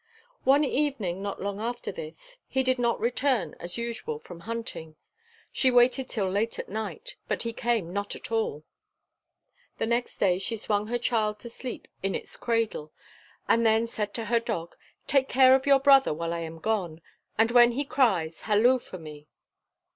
One evening not long after this, he did not return as usual from hunting. She waited till late at night, but he came not at all. The next day she swung her child to sleep in its cradle, and then said to her dog, "Take care of your brother while I am gone, and when he cries, halloo for me."